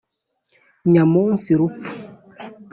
nyamunsi: rupfu